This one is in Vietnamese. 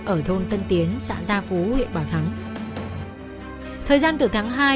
ở thôn tân tịnh hà nội